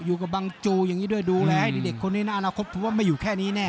อยู่กับบังจูอย่างนี้ด้วยดูแลให้เด็กคนนี้นะอนาคตถือว่าไม่อยู่แค่นี้แน่